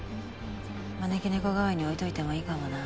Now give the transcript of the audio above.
招き猫代わりに置いといてもいいかもな。